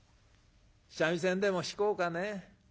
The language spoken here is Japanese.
三味線でも弾こうかね。